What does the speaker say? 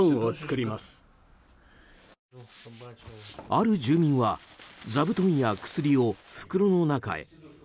ある住民は座布団や薬を袋の中へ。